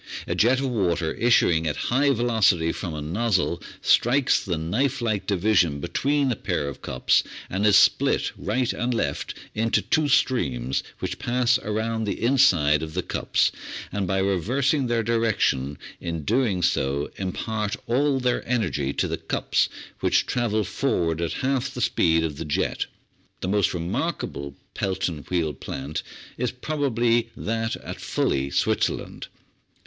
A jet of water issuing at high velocity from a nozzle strikes the knife like division between a pair of cups, and is split right and left into two streams which pass round the inside of the cups, and by reversing their direction in doing so impart all their energy to the cups, which travel forward at half the speed By permission of J . Jackson ons, European Agents for the Chicago, Milwaukee, and Si.